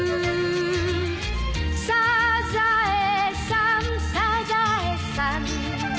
「サザエさんサザエさん」